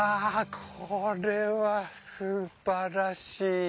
これは素晴らしい。